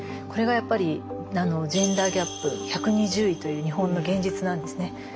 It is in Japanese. これがやっぱりジェンダーギャップ１２０位という日本の現実なんですね。